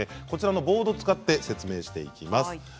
こちらのボードを使って説明していきます。